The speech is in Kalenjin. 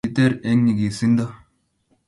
Kiiter eng nyigisindo